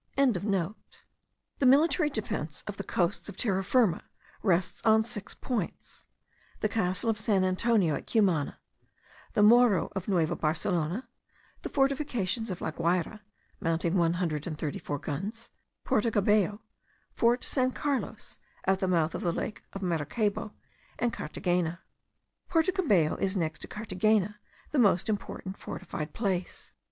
The military defence of the coasts of Terra Firma rests on six points: the castle of San Antonio at Cumana; the Morro of Nueva Barcelona; the fortifications of La Guayra, (mounting one hundred and thirty four guns); Porto Cabello; fort San Carlos, (at the mouth of the lake of Maracaybo); and Carthagena. Porto Cabello is, next to Carthagena, the most important fortified place.